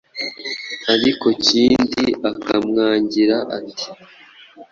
Ariko Kindi akamwangira ati “